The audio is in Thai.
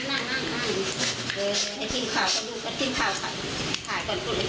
ให้ทีมข่าวก็ดู